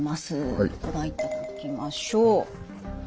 ご覧いただきましょう。